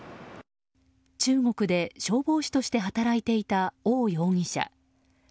中国で消防士として働いていたオウ容疑者。